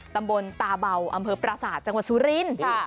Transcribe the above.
ตำบลตาเบาอำเภอประสาทจังหวัดสุรินทร์